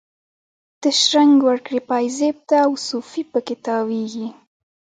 ته شرنګ ورکړي پایزیب ته، او صوفي په کې تاویږي